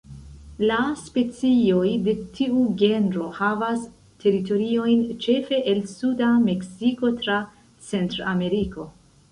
La specioj de tiu genro havas teritoriojn ĉefe el suda Meksiko tra Centrameriko.